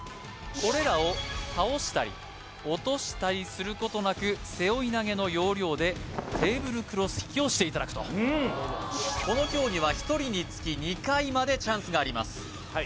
これらを倒したり落としたりすることなく背負い投げの要領でテーブルクロス引きをしていただくとこの競技は１人につき２回までチャンスがあります